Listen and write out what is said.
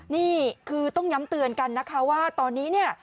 นี่คือต้องย้ำเตือนกันนะคะว่าตอนนี้เนี่ย